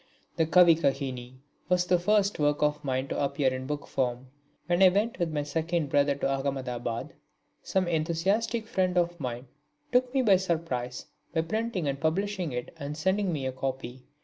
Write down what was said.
The Kavikahini was the first work of mine to appear in book form. When I went with my second brother to Ahmedabad, some enthusiastic friend of mine took me by surprise by printing and publishing it and sending me a copy.